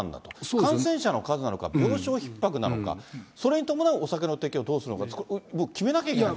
感染者の数なのか、病床ひっ迫なのか、それに伴うお酒の提供をするのか、決めなきゃいけない。